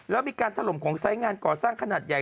แล้วมีการถล่มของไซส์งานก่อสร้างขนาดใหญ่